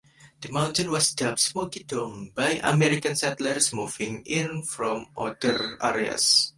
The mountain was dubbed "Smoky Dome" by American settlers moving in from other areas.